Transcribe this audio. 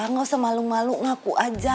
gak usah malu malu ngaku aja